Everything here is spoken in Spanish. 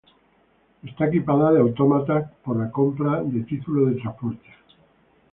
Está equipada de autómatas por la compra de títulos de transporte.